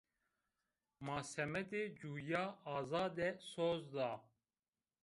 Ma semedê cuya azade soz da